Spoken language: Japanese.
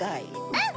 うん！